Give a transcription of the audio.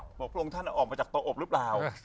บอกว่าพระองค์ท่านเอาออกมาจากเตาอบหรือเปล่า